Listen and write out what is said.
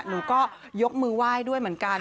หนูก็ยกมือไหว้ด้วยเหมือนกัน